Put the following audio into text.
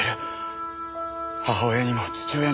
母親にも父親にも。